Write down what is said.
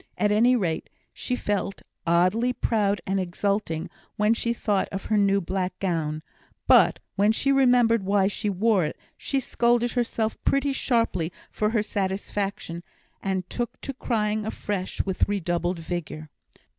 At any rate, she felt oddly proud and exulting when she thought of her new black gown; but when she remembered why she wore it, she scolded herself pretty sharply for her satisfaction, and took to crying afresh with redoubled vigour.